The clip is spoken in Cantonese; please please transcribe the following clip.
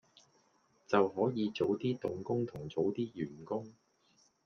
就可以早啲動工同早啲完工